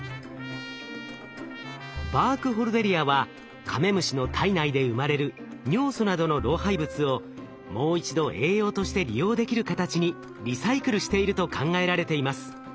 バークホルデリアはカメムシの体内で生まれる尿素などの老廃物をもう一度栄養として利用できる形にリサイクルしていると考えられています。